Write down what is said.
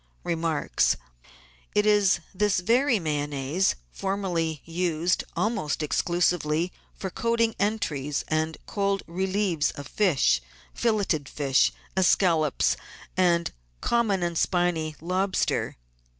Remarks. — It is this very Mayonnaise, formerly used almost exclusively for coating entries and cold relevees of fish, filleted fish, escalopes of common and spiny lobster, &c.